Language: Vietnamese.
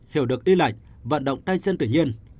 hiểu được y lạc vận động tay chân tự nhiên